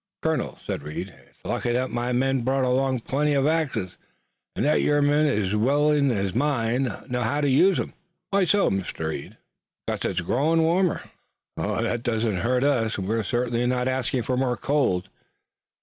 "Colonel," said Reed, "it's lucky that my men brought along plenty of axes, an' that your men ez well ez mine know how to use 'em." "Why so, Mr. Reed?" "'Cause it's growin' warmer." "But that doesn't hurt us. We're certainly not asking for more cold."